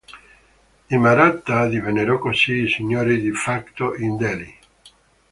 I Maratha divennero così i signori "de facto" di Delhi.